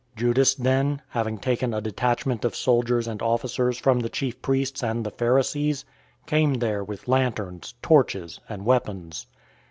018:003 Judas then, having taken a detachment of soldiers and officers from the chief priests and the Pharisees, came there with lanterns, torches, and weapons.